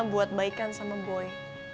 buat baikan sama boy